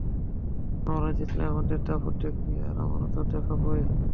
আমরা জিতলে, আমাদের দাপট দেখবি, আর আমরা তা দেখাবোই।